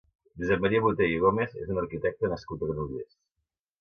Josep Maria Botey i Gómez és un arquitecte nascut a Granollers.